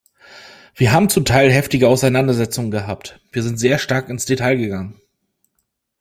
Wir haben zum Teil heftige Auseinandersetzungen gehabt, wir sind sehr stark ins Detail gegangen.